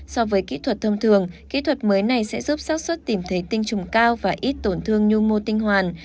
so với kỹ thuật thông thường kỹ thuật mới này sẽ giúp sát xuất tìm thấy tinh trùng cao và ít tổn thương nhu mô tinh hoàn